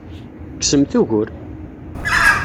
Kksemt ugur!